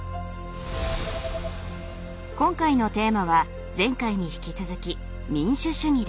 今回のテーマは前回に引き続き「民主主義」です。